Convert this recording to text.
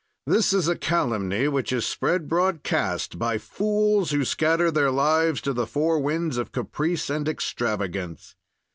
"This is a calumny which is spread broadcast by fools who scatter their lives to the four winds of caprice and extravagance.